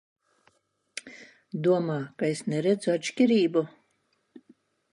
Domā, ka es neredzu atšķirību?